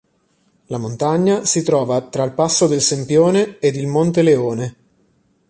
La montagna si trova tra il Passo del Sempione ed il Monte Leone.